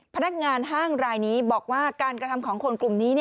พนักงานห้างรายนี้บอกว่าการกระทำของคนกลุ่มนี้